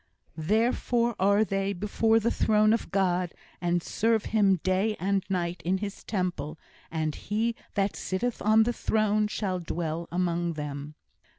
Therefore are they before the throne of God, and serve him day and night in his temple; and he that sitteth on the throne shall dwell among them.